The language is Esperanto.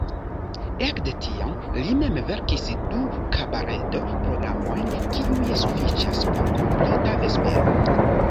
Ekde tiam li mem verkis du kabaredo-programojn kiuj sufiĉas por kompleta vespero.